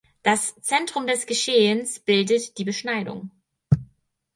Das Zentrum des Geschehens bildet die Beschneidung.